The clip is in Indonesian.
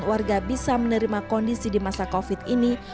dan warga bisa menerima kondisi di masa covid ini